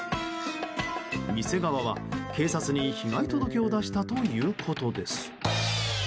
店側は警察に被害届を出したということです。